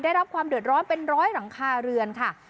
ได้รับความเดือดร้อนเป็นร้อยหลังคาเรือนค่ะ